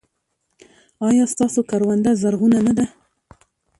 ایا ستاسو کرونده زرغونه نه ده؟